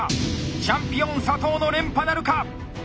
チャンピオン佐藤の連覇なるか。